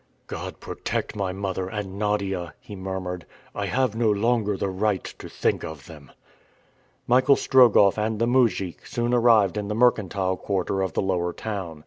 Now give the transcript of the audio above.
"God protect my mother and Nadia!" he murmured. "I have no longer the right to think of them!" Michael Strogoff and the mujik soon arrived in the mercantile quarter of the lower town.